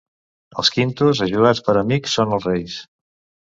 Els quintos ajudats per amics són els reis.